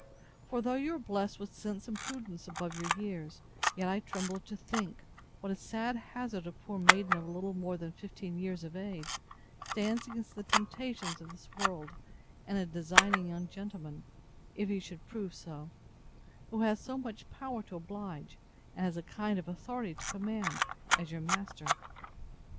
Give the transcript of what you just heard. For, though you are blessed with sense and prudence above your years, yet I tremble to think, what a sad hazard a poor maiden of little more than fifteen years of age stands against the temptations of this world, and a designing young gentleman, if he should prove so, who has so much power to oblige, and has a kind of authority to command, as your master.